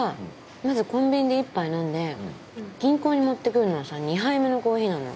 まずコンビニで１杯飲んで銀行に持って来るのはさ２杯目のコーヒーなのよ。